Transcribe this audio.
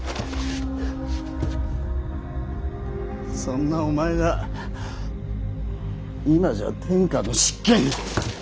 そんなお前が今じゃ天下の執権。